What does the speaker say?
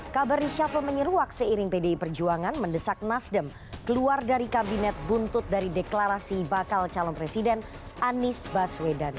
kabar reshuffle menyeruak seiring pdi perjuangan mendesak nasdem keluar dari kabinet buntut dari deklarasi bakal calon presiden anies baswedan